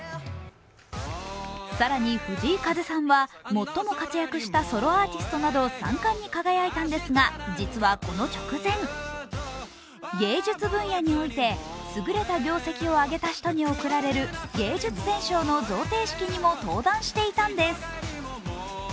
更に藤井風さんは最も活躍したソロアーティストなど３冠に輝いたんですが、実はこの直前、芸術分野において優れた業績を上げた人に贈られる芸術選奨の贈呈式にも登壇していたんです。